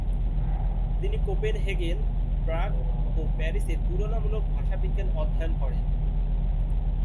তিনি Copenhagen, Prague ও প্যারিসে তুলনামূলক ভাষাবিজ্ঞান অধ্যয়ন করেন।